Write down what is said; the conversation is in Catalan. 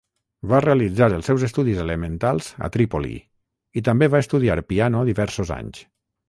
Va realitzar els seus estudis elementals a Trípoli, i també va estudiar piano diversos anys.